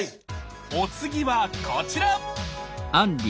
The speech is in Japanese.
お次はこちら！